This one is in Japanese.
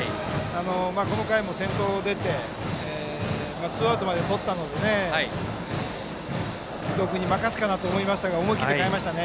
この回も先頭出てツーアウトまでとったので伊藤君に任せるかなと思ったんですが思い切って代えましたね。